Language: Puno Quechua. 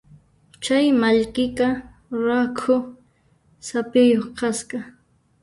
Chay mallkiqa rakhu saphiyuq kasqa.